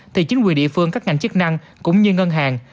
thì chính quyền địa phương các ngành chức năng cũng như ngân hàng